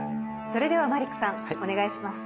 それではマリックさんお願いします。